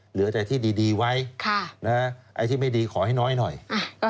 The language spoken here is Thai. เหลือแต่ที่ดีไว้นะครับไอ้ที่ไม่ดีขอให้น้อยหน่อยนะครับค่ะ